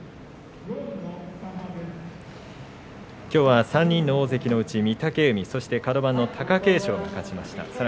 きょうは３人の大関のうち御嶽海そしてカド番の貴景勝が勝ちました。